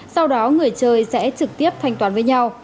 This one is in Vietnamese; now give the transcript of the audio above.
sau đó người chơi sẽ trực tiếp thanh toán với nhau